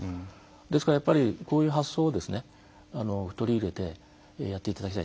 ですから、やっぱりこういう発想を取り入れてやっていただきたい。